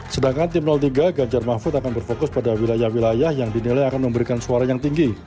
sedangkan tim tiga ganjar mahfud akan berfokus pada wilayah wilayah yang dinilai akan memberikan suara yang tinggi